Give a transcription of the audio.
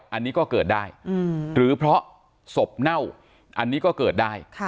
อันนี้ก็เกิดได้หรือเพราะศพเน่าอันนี้ก็เกิดได้